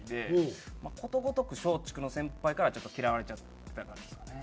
ことごとく松竹の先輩からはちょっと嫌われちゃってた感じですかね。